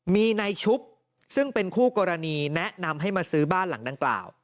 มีนายชุบซึ่งเป็นคู่กรณีแนะนำให้มาซื้อบ้านหลังดังกล่าว